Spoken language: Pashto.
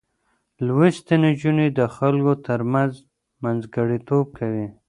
لوستې نجونې د خلکو ترمنځ منځګړتوب کوي.